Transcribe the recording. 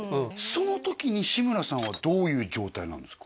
その時に志村さんはどういう状態なんですか？